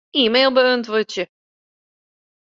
E-mail beäntwurdzje.